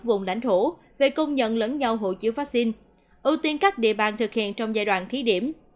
vùng lãnh thổ về công nhận lẫn nhau hộ chiếu vaccine ưu tiên các địa bàn thực hiện trong giai đoạn thí điểm